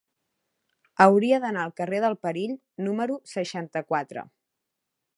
Hauria d'anar al carrer del Perill número seixanta-quatre.